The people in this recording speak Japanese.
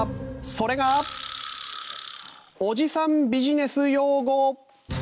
それがおじさんビジネス用語。